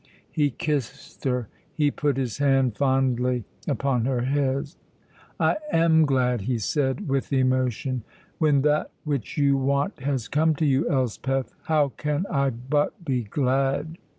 He kissed her; he put his hand fondly upon her head. "I am glad," he said, with emotion. "When that which you want has come to you, Elspeth, how can I but be glad?